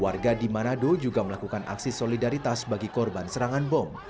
warga di manado juga melakukan aksi solidaritas bagi korban serangan bom